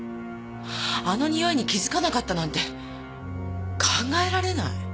あのにおいに気づかなかったなんて考えられない！